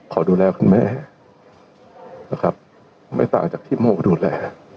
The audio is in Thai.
ขอดูแลคุณแม่นะครับไม่ต่างจากที่โม่ดูแล